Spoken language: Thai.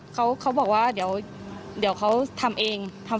เขาบอกว่าเดี๋ยวเขาทำเอง